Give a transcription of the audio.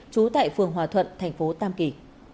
trú tại phường hòa thuận thành phố tam kỳ